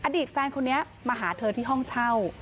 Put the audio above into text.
อดีตแฟนคนนี้มาหาเธอที่ห้องเช่า